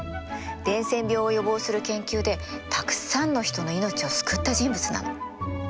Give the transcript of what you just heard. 伝染病を予防する研究でたくさんの人の命を救った人物なの。